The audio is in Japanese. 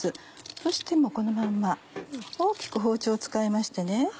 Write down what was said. そしてこのまんま大きく包丁を使いまして。